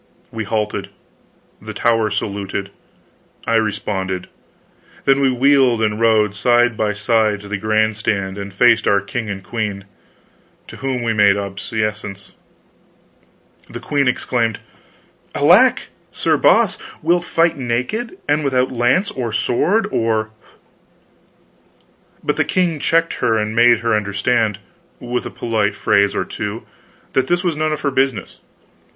We halted; the tower saluted, I responded; then we wheeled and rode side by side to the grand stand and faced our king and queen, to whom we made obeisance. The queen exclaimed: "Alack, Sir Boss, wilt fight naked, and without lance or sword or " But the king checked her and made her understand, with a polite phrase or two, that this was none of her business.